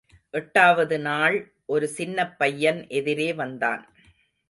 எட்டாவது நாள், ஒரு சின்னப்பையன் எதிரே வந்தான்.